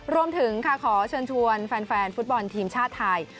รวมถึงค่ะขอเชิญชวนแฟนฟุตบอลทีมชาติไทย